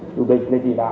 chủ định để chỉ đạo